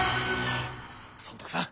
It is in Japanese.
尊徳さん